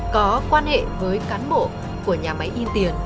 có quan hệ với cán bộ của nhà máy in tiền